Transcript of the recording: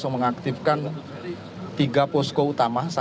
satu adalah di sini di lokasi posko utama di terminal satu